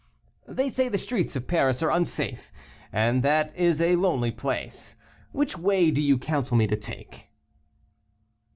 "They say the streets of Paris are unsafe, and that is a lonely place. Which way do you counsel me to take?"